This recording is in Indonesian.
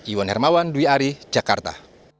iwan hermawan dwi ari jakarta